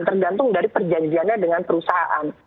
tergantung dari perjanjiannya dengan perusahaan